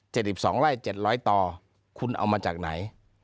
สิบสองไร่เจ็ดร้อยต่อคุณเอามาจากไหน